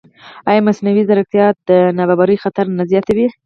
ایا مصنوعي ځیرکتیا د نابرابرۍ خطر نه زیاتوي؟